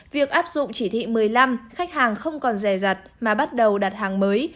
việc áp dụng chỉ thị một mươi năm khách hàng không còn rè rặt mà bắt đầu đặt hàng mới